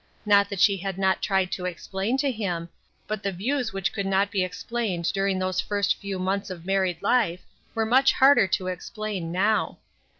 Not that she had not tried to explain to him ; but the views which could not be explained during those first few months of married life were much harder to explain now.